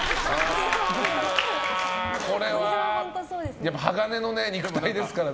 これは、やっぱり鋼の肉体ですからね。